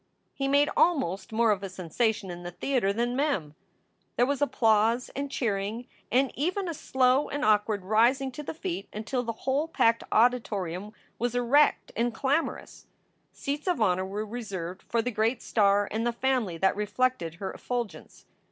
He made almost more of a sensation in the theater than Mem. There was applause and cheering and even a slow and awkward rising to the feet until the whole packed audi torium was erect and clamorous. Seats of honor were reserved for the great star and the family that reflected her effulgence.